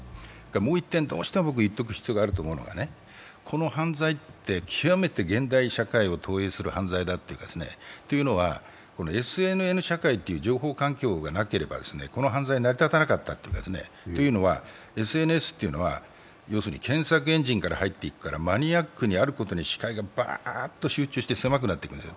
もう１点、どうしても言っておく必要があると思うのはこの犯罪って極めて現代社会を投影する犯罪だというか、というのは、ＳＮＳ社会がなければ、この犯罪成り立たなかったというのは、ＳＮＳというのは、検索エンジンから入っていくからマニアックにあることに視界が集中して狭くなっていくんです。